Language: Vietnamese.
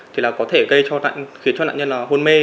thì nó có thể gây cho nạn nhân hôn mê